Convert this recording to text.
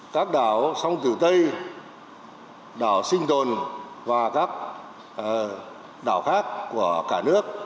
các đảo sông tử tây đảo sinh tồn và các đảo khác của cả nước